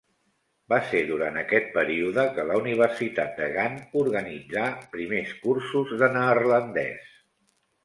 Va ser durant aquest període que la Universitat de Gant organitza primers cursos de neerlandès.